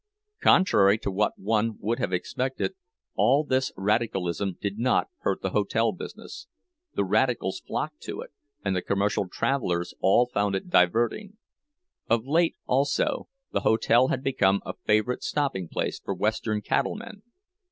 Contrary to what one would have expected, all this radicalism did not hurt the hotel business; the radicals flocked to it, and the commercial travelers all found it diverting. Of late, also, the hotel had become a favorite stopping place for Western cattlemen.